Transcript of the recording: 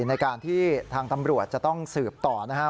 ในการที่ทางตำรวจจะต้องสืบต่อนะครับ